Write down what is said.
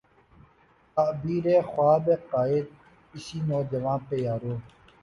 تعبیر ء خواب ء قائد، اسی نوجواں پہ یارو